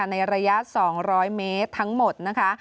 ในระยะ๒๐๐เมตรทั้งหมดนะคะ